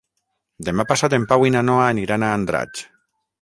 Demà passat en Pau i na Noa aniran a Andratx.